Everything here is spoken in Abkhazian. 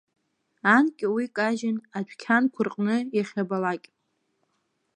Анкьа уи кажьын адәқьанқәа рҟны иахьабалакь.